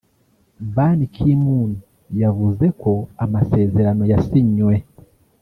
Ban Ki-moon yavuze ko amasezerano yasinywe